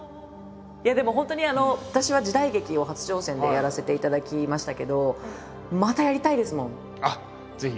いやでも本当に私は時代劇を初挑戦でやらせていただきましたけどあっぜひ。